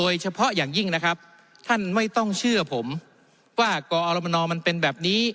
เฉพาะอย่างยิ่งนะครับท่านไม่ต้องเชื่อผมว่ากอรมนมันเป็นแบบนี้